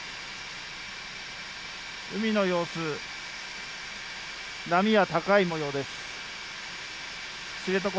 海の様子、波は高いもようです。